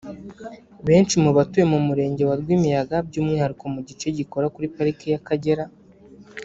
Benshi mu batuye mu Murenge wa Rwimiyaga by’umwihariko mu gice gikora kuri parike y’Akagera